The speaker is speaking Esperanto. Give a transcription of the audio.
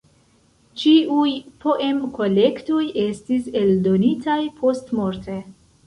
Ĉiuj poem-kolektoj estis eldonitaj postmorte.